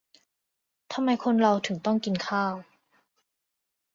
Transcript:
ทำไมคนเราถึงต้องกินข้าว